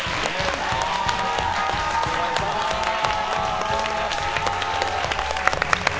ありがとうございます。